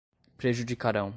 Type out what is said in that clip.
prejudicarão